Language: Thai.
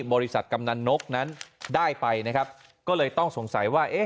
กำนันนกนั้นได้ไปนะครับก็เลยต้องสงสัยว่าเอ๊ะ